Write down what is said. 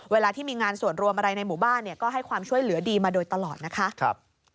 เวลาที่มีงานส่วนรวมอะไรในหมู่บ้านเนี่ยก็ให้ความช่วยเหลือดีมาโดยตลอดนะคะ